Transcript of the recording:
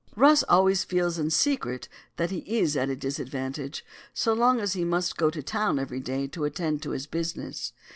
Rus always feels in secret that he is at a disadvantage so long as he must go to town every day to attend to his business.